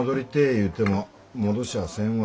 言うても戻しゃあせんわ。